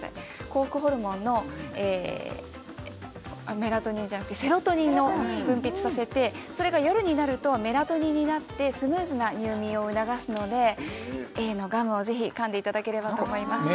幸福ホルモンのえメラトニンじゃなくてセロトニンを分泌させてそれが夜になるとメラトニンになってスムーズな入眠を促すのでＡのガムをぜひ噛んでいただければと思います